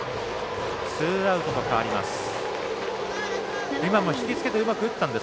ツーアウトと変わります。